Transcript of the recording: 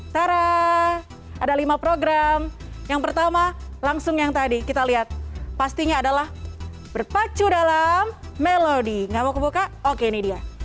taraaa ada lima program yang pertama langsung yang tadi kita lihat pastinya adalah berpacu dalam melodi